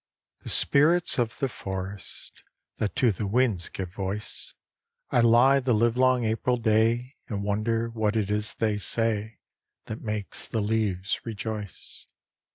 The spirits of the forest, That to the winds give voice I lie the livelong April day And wonder what it is they say That makes the leaves rejoice.